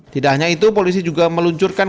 tidak hanya itu polisi juga meluncurkan